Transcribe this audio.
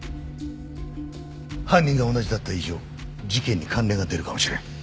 犯人が同じだった以上事件に関連が出るかもしれん。